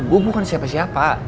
gua bukan siapa siapa